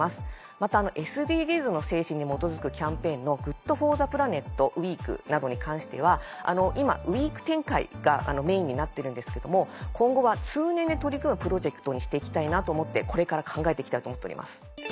またＳＤＧｓの精神に基づくキャンペーンの「ＧｏｏｄＦｏｒｔｈｅＰｌａｎｅｔウィーク」などに関しては今ウィーク展開がメインになってるんですけども今後は通年で取り組むプロジェクトにして行きたいなと思ってこれから考えて行きたいと思っております。